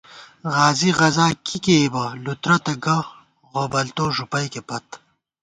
غازی غزاکی کېئیبہ لُترہ تہ گہ غوبلتو ݫُپَئیکےپت